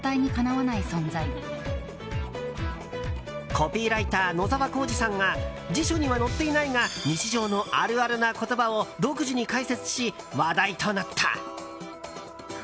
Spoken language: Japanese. コピーライター野澤幸司さんが辞書には載っていないが日常のあるあるな言葉を独自に解説し、話題となった。